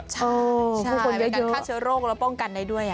ใช่ค่าเชื้อโรคแล้วป้องกันได้ด้วย